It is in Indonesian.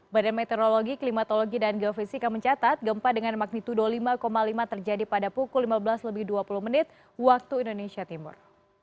badan meteorologi klimatologi dan geofisika mencatat gempa dengan magnitudo lima lima terjadi pada pukul lima belas lebih dua puluh menit waktu indonesia timur